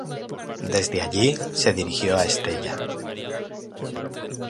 Desde allí se dirigió a Estella.